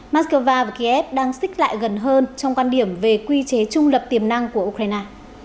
moscow và kiev đang xích lại gần hơn trong quan điểm về quy chế trung lập tiềm năng của ukraine